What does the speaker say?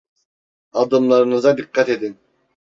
Adımlarınıza dikkat edin.